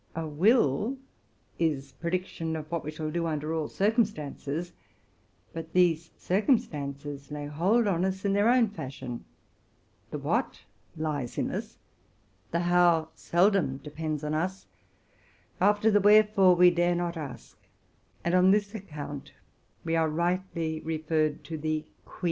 That which we would do is a prediction of what we shall do, under all circumstances. But these circumstances lay hold on us in their own fashion. The what lies in us, the how seldom depends on us, after the wherefore we dare not ask, and on this account we are rightly referred to the quia.